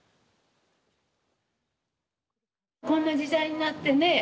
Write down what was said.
こんな時代になってね